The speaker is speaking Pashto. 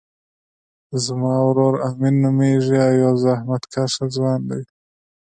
زما ورور امین نومیږی او یو زحمت کښه ځوان دی